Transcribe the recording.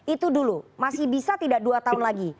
itu dulu masih bisa tidak dua tahun lagi